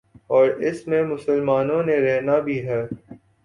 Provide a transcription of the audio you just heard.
اور اس میں مسلمانوں نے رہنا بھی ہے۔